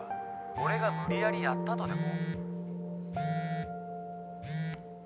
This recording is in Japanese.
俺が無理やりヤったとでも？